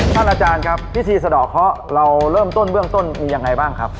อาจารย์ครับพิธีสะดอกเคาะเราเริ่มต้นเบื้องต้นมียังไงบ้างครับ